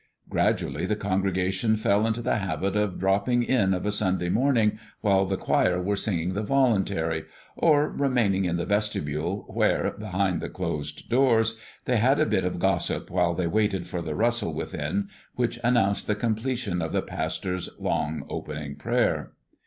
Gradually the congregation fell into the habit of dropping in of a Sunday morning while the choir were singing the voluntary, or remaining in the vestibule where, behind the closed doors, they had a bit of gossip while they waited for the rustle within which announced the completion of the pastor's long opening prayer.